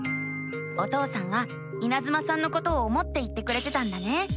お父さんはいなずまさんのことを思って言ってくれてたんだね。